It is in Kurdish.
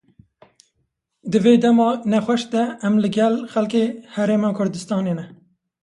Di vê dema nexweş de em li gel xelkê Herêma Kurdistanê ne.